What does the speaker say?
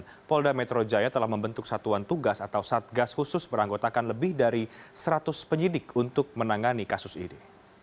kapolda metro jaya telah membentuk satuan tugas atau satgas khusus beranggotakan lebih dari seratus penyidik untuk menangani kasus ini